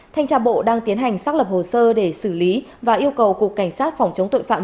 thanh tra bộ đang tiến hành xác lập hồ sơ để xử lý và yêu cầu cục cảnh sát phòng chống tội phạm